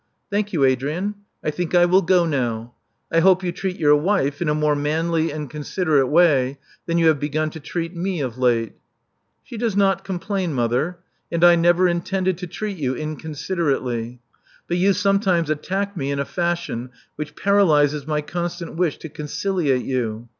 *' Thank you, Adrian. I think I will go now. I hope you treat your wife in a more manly and con siderate way than you have begun to treat me of late." She does not complain, mother. And I never intended to treat you inconsiderately. But you some times attack me in a fashion which paralyses my con stant wish to conciliate you.